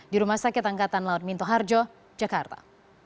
di rumah sakit angkatan laut minto harjo jakarta